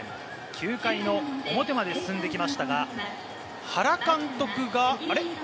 ９回の表まで進んできましたが、原監督があれ？